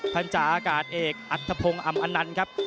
พันธาอากาศเอกอัธพงศ์อำอนันต์ครับ